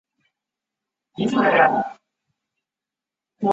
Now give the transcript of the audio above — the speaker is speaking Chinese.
太子庆膺继位。